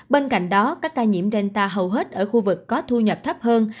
bên cạnh đó các ca nhiễm delhta hầu hết ở khu vực có thu nhập thấp hơn